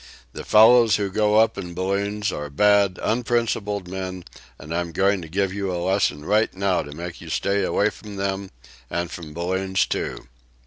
The fellows who go up in balloons are bad, unprincipled men, and I'm going to give you a lesson right now to make you stay away from them, and from balloons, too."